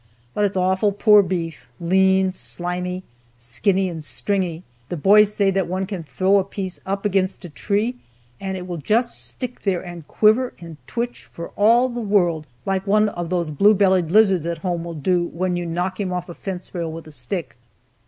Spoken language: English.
But it's awful poor beef, lean, slimy, skinny and stringy. The boys say that one can throw a piece up against a tree, and it will just stick there and quiver and twitch for all the world like one of those blue bellied lizards at home will do when you knock him off a fence rail with a stick.